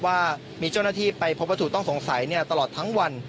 ว่ามีเจ้าหน้าที่ไปพบวัตถุต้องสงสัยตลอดทั้งวัน